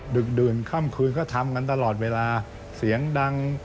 ดึกดื่นค่ำคืนก็ทำกันตลอดเวลาเสียงดัง